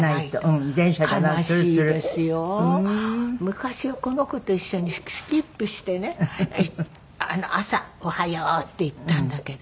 昔はこの子と一緒にスキップしてね朝おはようって行ったんだけど。